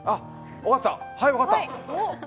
分かった、はい、分かった！